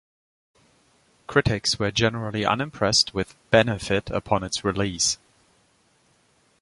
Critics were generally unimpressed with "Benefit" upon its release.